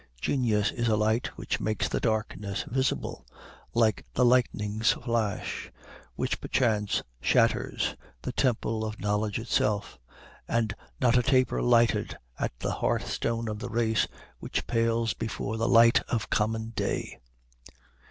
Genius is a light which makes the darkness visible, like the lightning's flash, which perchance shatters the temple of knowledge itself, and not a taper lighted at the hearthstone of the race, which pales before the light of common day.